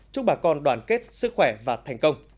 chúc bà con đoàn kết sức khỏe và thành công